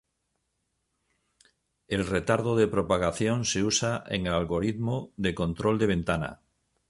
El retardo de propagación se usa en el algoritmo de control de ventana.